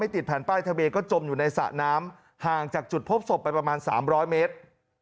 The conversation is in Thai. ติดแผ่นป้ายทะเบียก็จมอยู่ในสระน้ำห่างจากจุดพบศพไปประมาณ๓๐๐เมตร